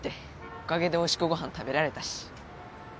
おかげでおいしくご飯食べられたし。